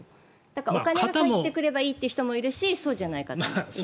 だから、お金が返ってくればいいという人もいるしそうじゃない方もいる。